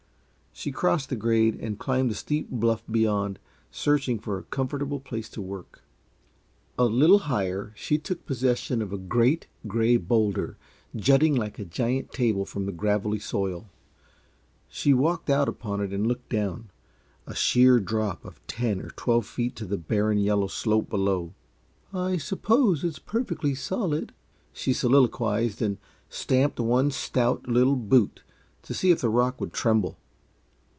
She crossed the grade and climbed the steep bluff beyond, searching for a comfortable place to work. A little higher, she took possession of a great, gray bowlder jutting like a giant table from the gravelly soil. She walked out upon it and looked down a sheer drop of ten or twelve feet to the barren, yellow slope below. "I suppose it is perfectly solid," she soliloquized and stamped one stout, little boot, to see if the rock would tremble.